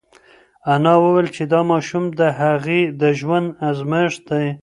انا وویل چې دا ماشوم د هغې د ژوند ازمېښت دی.